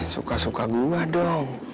suka suka gue dong